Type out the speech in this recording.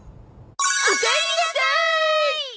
おかえりなさーい！